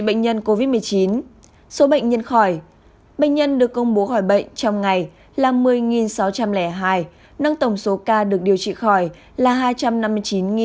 bệnh nhân được công bố khỏi bệnh trong ngày là một mươi sáu trăm linh hai năng tổng số ca được điều trị khỏi là hai trăm năm mươi chín ba trăm hai mươi bốn